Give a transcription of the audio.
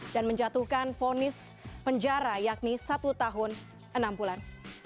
dan menjatuhkan vonis penjara yakni satu tahun enam bulan